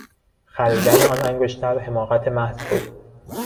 خریدن آن انگشتر حماقت محض بود.